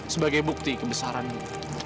sebagai bukti kebesaranmu